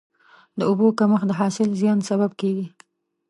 د اوبو کمښت د حاصل زیان سبب کېږي.